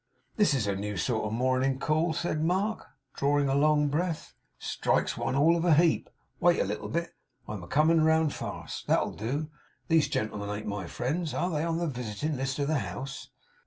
'This is a new sort of a morning call,' said Mark, drawing a long breath. 'It strikes one all of a heap. Wait a little bit! I'm a coming round fast. That'll do! These gentlemen ain't my friends. Are they on the visiting list of the house?